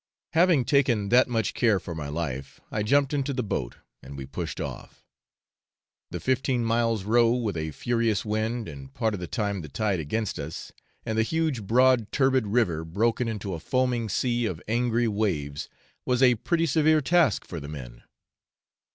Having taken that much care for my life, I jumped into the boat, and we pushed off. The fifteen miles' row with a furious wind, and part of the time the tide against us, and the huge broad turbid river broken into a foaming sea of angry waves, was a pretty severe task for the men.